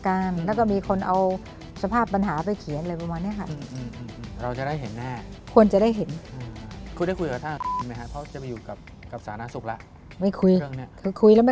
กลางแล้วก็มีคนเอาสภาพปัญหาไปเขียนอะไรประมาณนี้ค่ะ